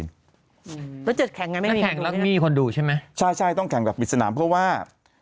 แล้วจะแข่งไงไม่มีคนดูเนี่ยใช่ต้องแข่งกับมิตรสนามเพราะว่า